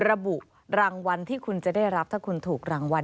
ระบุรางวัลที่คุณจะได้รับถ้าคุณถูกรางวัล